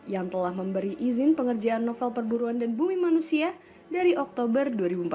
yang telah memberi izin pengerjaan novel perburuan dan bumi manusia dari oktober dua ribu empat belas